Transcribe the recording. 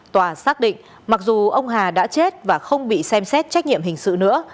tòa xác định mặc dù ông hà đã chết và không bị xem xét trách nhiệm hình sự nữa